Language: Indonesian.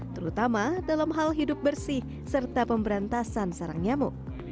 terutama dalam hal hidup bersih serta pemberantasan sarang nyamuk